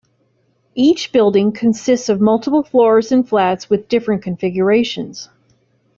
Each building consists of multiple floors and flats with different configurations.